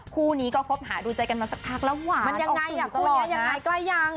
คู่นี้ก็คบหาดูใจกันมาสักพักแล้วหวานออกสื่อตลอดนะ